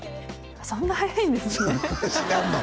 そんな早いんですね知らんの？